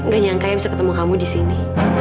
gak nyangka ya bisa ketemu kamu disini